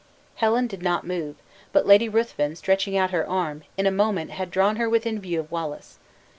Helen did not move; but Lady Ruthven stretching out her arm, in a moment had drawn her within view of Wallace.